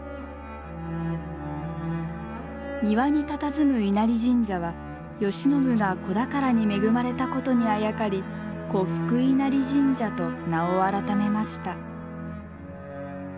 庭にたたずむ稲荷神社は慶喜が子宝に恵まれたことにあやかり子福稲荷神社と名を改めました。